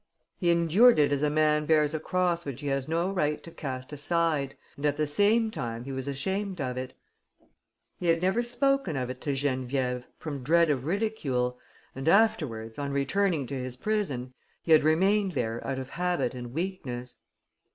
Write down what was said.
He endured it as a man bears a cross which he has no right to cast aside; and at the same time he was ashamed of it. He had never spoken of it to Geneviève, from dread of ridicule; and afterwards, on returning to his prison, he had remained there out of habit and weakness.